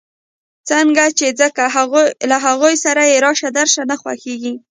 ځکه چې له هغوی سره يې راشه درشه نه خوښېږي.